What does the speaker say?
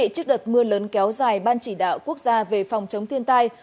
trước đợt mưa lớn kéo dài ban chỉ đạo quốc gia về phòng chống thiên tai